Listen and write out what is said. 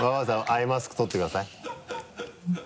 アイマスク取ってください。